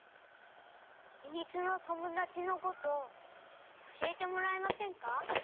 ひみつのともだちのことおしえてもらえませんか？